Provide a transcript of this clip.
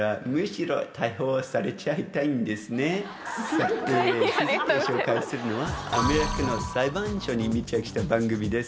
続いてご紹介するのはアメリカの裁判所に密着した番組です。